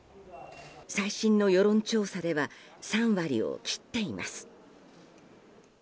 最新の世論調査では３割を切っています。